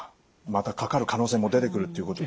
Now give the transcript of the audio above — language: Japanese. またかかる可能性も出てくるっていうこと。